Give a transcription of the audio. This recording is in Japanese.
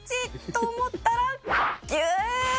「と思ったらギューッと」